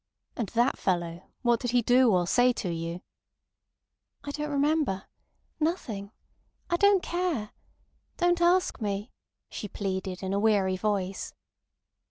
"And that fellow, what did he do or say to you?" "I don't remember. ... Nothing .... I don't care. Don't ask me," she pleaded in a weary voice.